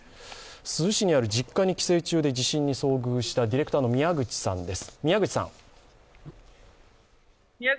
珠洲市にある実家に帰省中で地震に遭遇したディレクターの宮口さんです。